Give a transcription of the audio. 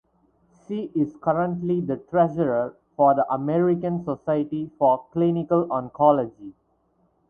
She is currently the treasurer for the American Society for Clinical Oncology.